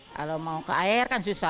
kalau mau ke air kan susah